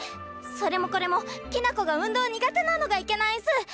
それもこれもきな子が運動苦手なのがいけないんす！